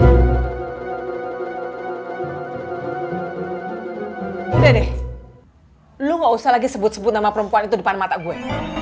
udah deh lu gak usah lagi sebut sebut nama perempuan itu depan mata gue